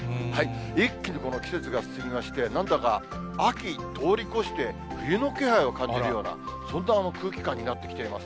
一気にこの季節が進みまして、なんだか秋通り越して、冬の気配を感じるような、そんな空気感になってきています。